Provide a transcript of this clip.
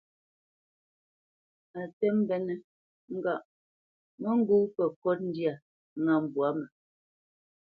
A tə mbénə ŋgâʼ mə ŋgó pə kot ndyâ ŋá mbwǎ mə.